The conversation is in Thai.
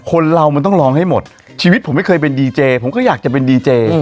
คนเรามันต้องร้องให้หมดชีวิตผมไม่เคยเป็นดีเจผมก็อยากจะเป็นดีเจ